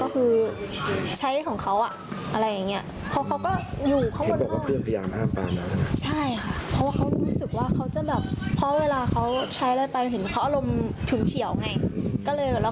พี่ไม่แน่ใจทำไหมแต่ก็คือใช่ค่ะ